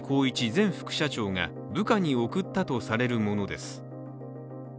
前副社長が部下に送ったとされるものです。